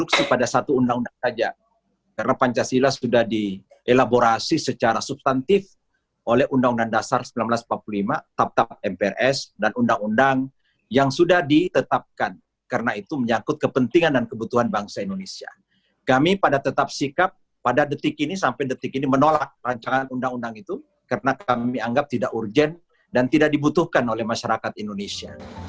karena kami anggap tidak urgen dan tidak dibutuhkan oleh masyarakat indonesia